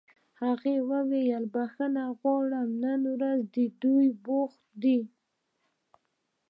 هغه وویل چې بښنه غواړي نن ورځ دوی بوخت دي